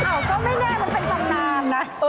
ก็ไม่แน่มันเป็นตำนานนะ